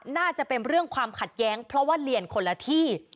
น่าจะเป็นเรื่องความขัดแย้งเพราะว่าเรียนคนละที่